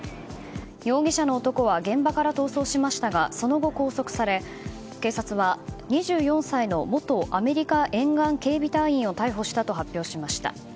容疑者の男は現場から逃走しましたがその後、拘束され警察は２４歳の元アメリカ沿岸警備隊員を逮捕したと発表しました。